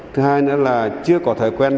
thứ hai nữa là chưa có thói quen